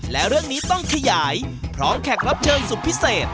และเรื่องนี้ต้องขยายพร้อมแขกรับเชิญสุดพิเศษ